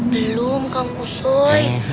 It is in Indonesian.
belum kang kusoy